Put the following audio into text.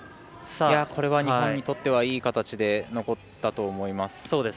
これは日本にとってはいい形で残ったと思います。